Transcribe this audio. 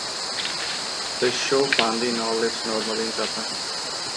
The Sho family now lives normally in Japan.